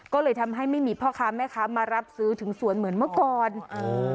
ก็เลยทำให้ไม่มีพ่อค้าแม่ค้ามารับซื้อถึงสวนเหมือนเมื่อก่อนเออ